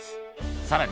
さらに